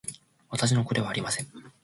私の子ではありません